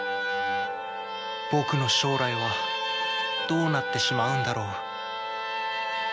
僕の将来はどうなってしまうんだろう？